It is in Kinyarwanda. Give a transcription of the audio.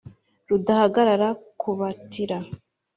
Rudahagarara ku batira